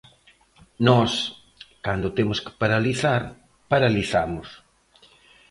Nós, cando temos que paralizar, paralizamos.